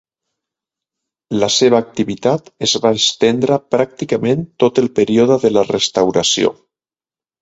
La seva activitat es va estendre pràcticament tot el període de la Restauració.